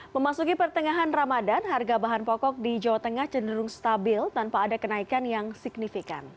memasuki pertengahan ramadan harga bahan pokok di jawa tengah cenderung stabil tanpa ada kenaikan yang signifikan